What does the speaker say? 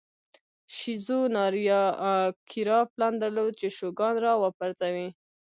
شیزو ناریاکیرا پلان درلود چې شوګان را وپرځوي.